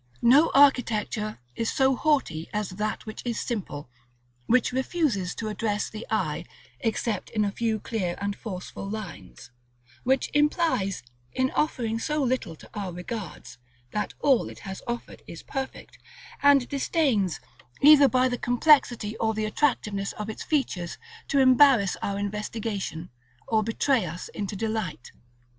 No architecture is so haughty as that which is simple; which refuses to address the eye, except in a few clear and forceful lines; which implies, in offering so little to our regards, that all it has offered is perfect; and disdains, either by the complexity or the attractiveness of its features, to embarrass our investigation, or betray us into delight.